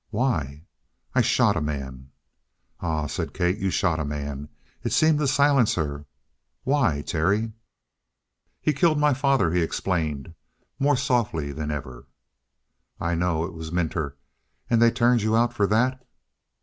"Why?" "I shot a man." "Ah!" said Kate. "You shot a man?" It seemed to silence her. "Why, Terry?" "He had killed my father," he explained, more softly than ever. "I know. It was Minter. And they turned you out for that?"